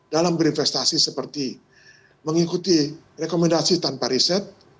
dan mencari investasi seperti mengikuti rekomendasi tanpa riset